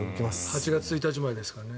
８月１日までですからね。